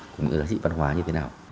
cùng những đặc sĩ văn hóa như thế nào